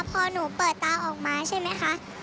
พอหนูเปิดตาออกมาใช่ไหมคะ